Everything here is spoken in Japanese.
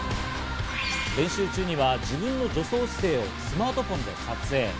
練習中には自分の助走姿勢をスマートフォンで撮影。